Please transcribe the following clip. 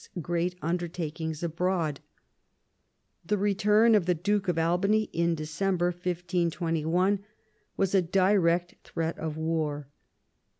's great undertakings abroad. The return of the Duke of Albany in December 1521 was a direct threat of war.